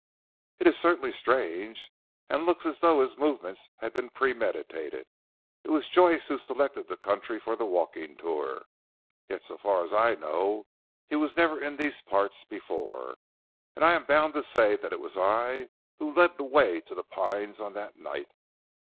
"It is certainly strange, and looks as though his movements had been premeditated. It was Joyce who selected the country for the walking tour. Yet so far as I know he was never in these parts before. And I am bound to say that it was I who led the way to 'The Pines' on that night."